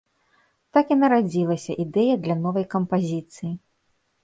Так і нарадзілася ідэя для новай кампазіцыі.